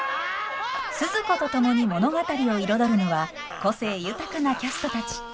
スズ子と共に物語を彩るのは個性豊かなキャストたち。